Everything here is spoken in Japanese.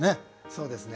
そうですね。